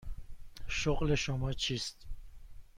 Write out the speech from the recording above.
شغل شما چیست؟